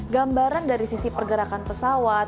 gambaran dari sisi pergerakan pesawat